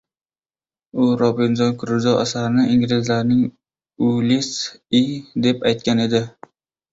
U “Robinzon Kruzo” asarini inglizlarning “Uliss”i deb aytgan edi.